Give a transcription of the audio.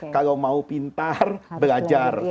kalau mau pintar belajar